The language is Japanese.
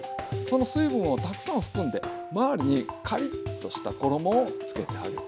その水分をたくさん含んで周りにカリッとした衣をつけて揚げる。